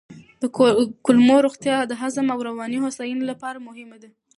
د کولمو روغتیا د هضم او رواني هوساینې لپاره مهمه ده.